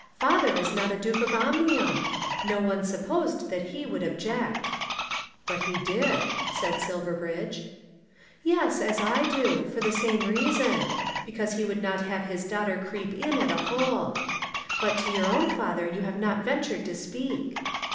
Father is not a Duke of Omnium. No one supposed that he would object." "But he did," said Silverbridge. "Yes; as I do, for the same reason; because he would not have his daughter creep in at a hole. But to your own father you have not ventured to speak."